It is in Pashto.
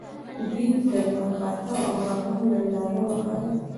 دوی ته د لمر خاته او ماښام ننداره وښایئ.